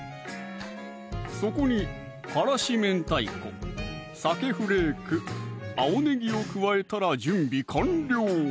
そこに辛子明太子・さけフレーク・青ねぎを加えたら準備完了